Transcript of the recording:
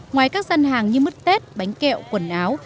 ngoài các dân hàng như mức tết bánh kẹo quần áo